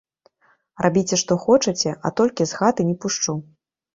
Рабіце што хочаце, а толькі з хаты не пушчу!